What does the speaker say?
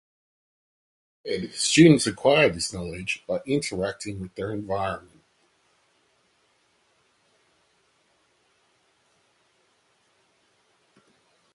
Instead, students acquire this knowledge by interacting with their environment.